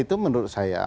itu menurut saya